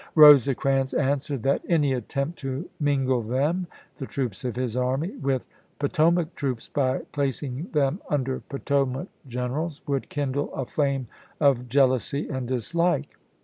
Rosecrans answered that "any attempt i863. ms. to mingle them [the troops of his army] with Poto mac troops by placing them under Potomac gen to^Lincoin, erals would kindle a flame of jealousy and dislike "; ises.